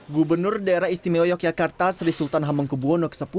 gubernur daerah istimewa yogyakarta sri sultan hamengkubwono x